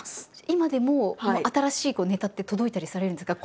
今でも新しいネタって届いたりされるんですか？